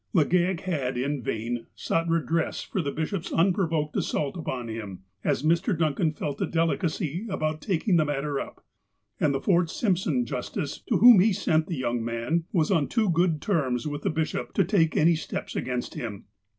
I Legale had, in vain, sought redress for the bishop's un I provoked assault upon him, as Mr. Duncan felt a delicacy ■ about taking the matter up, and the Fort Simpson justice, to whom he sent the young man, was on too good terms with the bishop to take any steps against him.